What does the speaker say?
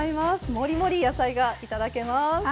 もりもり野菜が頂けます。